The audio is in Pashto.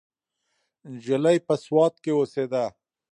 نجلۍ په سوات کې اوسیده.